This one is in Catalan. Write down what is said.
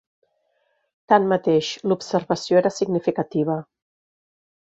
Tanmateix, l'observació era significativa.